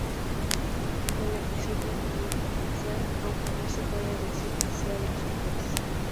El episodio tenía potencial, aunque no se puede decir que sea de los mejores".